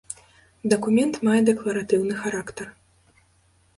Дакумент мае дэкларатыўны характар.